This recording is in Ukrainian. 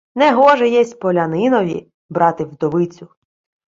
— Негоже єсть полянинові брати вдовицю.